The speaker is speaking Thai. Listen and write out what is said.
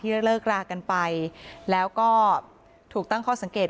เลิกรากันไปแล้วก็ถูกตั้งข้อสังเกต